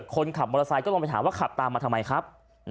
คนขับมอเตอร์ไซค์ก็ลงไปถามว่าขับตามมาทำไมครับ